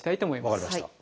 分かりました。